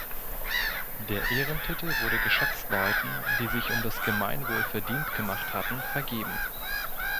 Der Ehrentitel wurde Geschäftsleuten, die sich um das Gemeinwohl verdient gemacht hatten, vergeben.